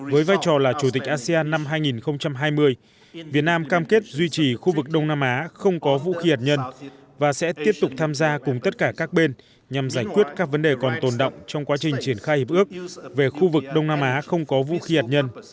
với vai trò là chủ tịch asean năm hai nghìn hai mươi việt nam cam kết duy trì khu vực đông nam á không có vũ khí hắt nhân và sẽ tiếp tục tham gia cùng tất cả các bên nhằm giải quyết các vấn đề còn tồn động trong quá trình triển khai hiệp ước về khu vực đông nam á không có vũ khí hắt nhân